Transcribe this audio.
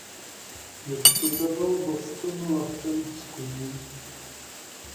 Vystudoval Boston Latin School.